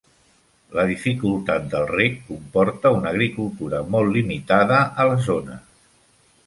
La dificultat del reg comporta una agricultura molt limitada a la zona.